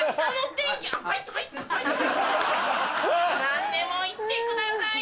何でも言ってください。